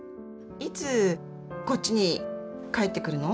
いつこっちに帰ってくるの？